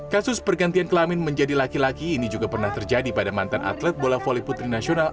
kasus pergantian kelamin menjadi laki laki ini juga pernah terjadi pada mantan atlet bola voli putri nasional